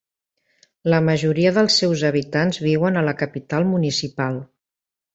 La majoria dels seus habitants viuen a la capital municipal.